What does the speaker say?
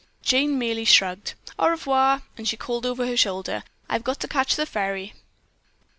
Jane merely shrugged. "Au revoir," she called over her shoulder. "I've got to catch the ferry."